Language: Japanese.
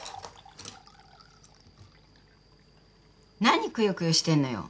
何くよくよしてんのよ。